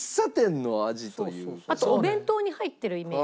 あとお弁当に入ってるイメージ。